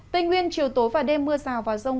tây nguyên chiều tối và đêm mưa rào và rông